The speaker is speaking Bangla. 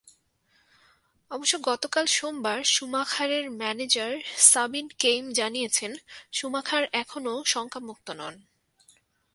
অবশ্য গতকাল সোমবার শুমাখারের ম্যানেজার সাবিন কেম জানিয়েছেন, শুমাখার এখনো শঙ্কামুক্ত নন।